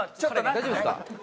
大丈夫ですか？